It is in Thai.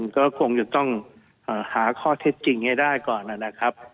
ก็คงจะต้องหาข้อเท็จจริงให้ได้ก่อนนะครับ